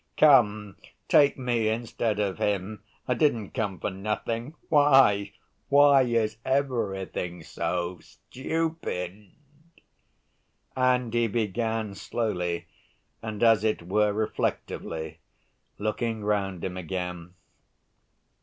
Come, take me instead of him! I didn't come for nothing.... Why, why is everything so stupid?..." And he began slowly, and as it were reflectively, looking round him again.